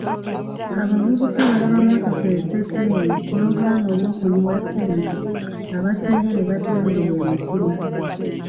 Abavubuka balaba mmotoka ez’ebbeeyi n’obulamu obw'okuyiwa ssente abasinga ne batengulwa emitima.